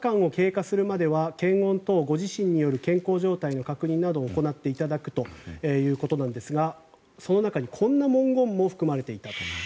７日間を経過するまでは検温等後自身による健康状態の確認を行っていただくということですがその中にこんな文言も含まれていたと。